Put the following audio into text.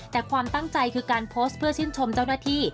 แต่ความตั้งใจคือการโพสต์เพื่อชื่นชมเจ้าหน้าที่